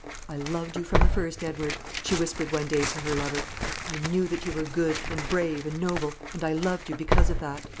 "I loved you from the first, Edward," she whispered one day to her lover. "I knew that you were good, and brave, and noble; and I loved you because of that."